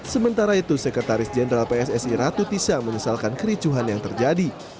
sementara itu sekretaris jenderal pssi ratu tisa menyesalkan kericuhan yang terjadi